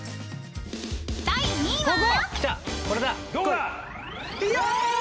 ［第２位は？］